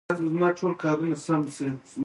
چې خپلو ټولګيو ته ولاړې